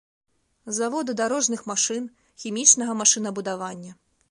Заводы дарожных машын, хімічнага машынабудавання.